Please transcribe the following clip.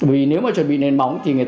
vì nếu mà chuẩn bị nền bóng thì người ta